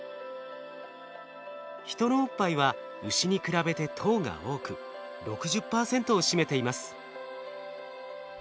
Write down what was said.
ヒトのおっぱいはウシに比べて糖が多く６０％を占めています。